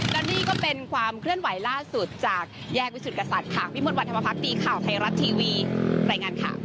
แล้วนี้ก็เป็นความเคลื่อนไหวล่าสุดจากแยกวิสุทธิ์กษัตริย์จากพิมพุธวันธมาภาคดีข่าวไทยรัสทีวี